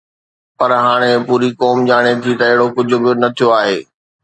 پر هاڻي پوري قوم ڄاڻي ٿي ته اهڙو ڪجهه به نه ٿيو آهي.